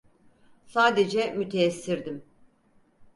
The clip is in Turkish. Sadece müteessirdim.